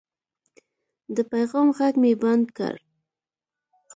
د پیغام غږ مې بند کړ.